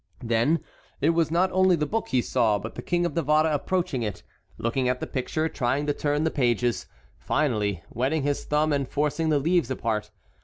Then it was not only the book he saw, but the King of Navarre approaching it, looking at the picture, trying to turn the pages, finally wetting his thumb and forcing the leaves apart.